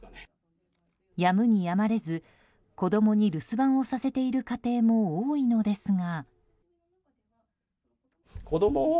やむにやまれず子供に留守番をさせている家庭も多いのですが。